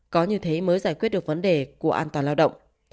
có như thế mới giải quyết được vấn đề của an toàn lao động